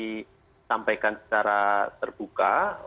disampaikan secara terbuka